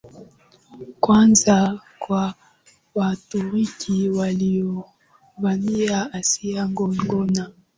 kwanza ya Waturuki waliovamia Asia Ndogo na